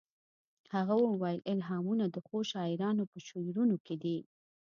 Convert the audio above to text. هغه وویل الهامونه د ښو شاعرانو په شعرونو کې دي